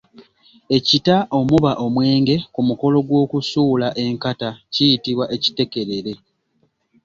Ekita omuba omwenge ku mukolo gw'okusuula enkata kiyitibwa Ekitekerere.